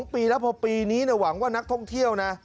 ปีแล้วพอปีนี้หวังว่านักท่องเที่ยวนะ